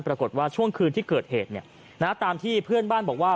ปรากฏว่าช่วงคืนที่เกิดเหตุตามที่เพื่อนบ้านบอกว่า